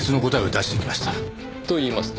といいますと？